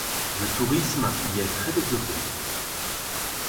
Le tourisme y est très développé.